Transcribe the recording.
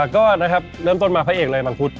ก็นะครับเริ่มต้นมาพระเอกเลยบางพุทธ